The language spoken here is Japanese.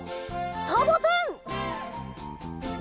サボテン！